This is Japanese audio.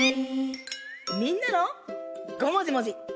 みんなのごもじもじ。